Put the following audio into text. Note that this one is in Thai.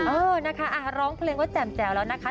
เออนะคะร้องเพลงว่าแจ่มแจ๋วแล้วนะคะ